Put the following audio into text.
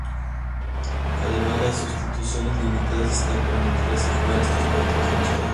Además, las sustituciones ilimitadas están permitidas al jugar estos partidos amistosos.